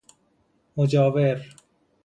مجاور